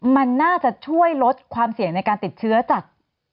มันน่าจะช่วยลดความเสี่ยงในการติดเชื้อจาก